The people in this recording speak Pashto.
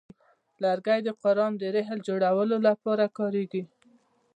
لرګی د قران د رحل جوړولو لپاره کاریږي.